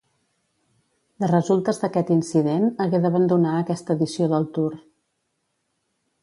De resultes d'aquest incident hagué d'abandonar aquesta edició del Tour.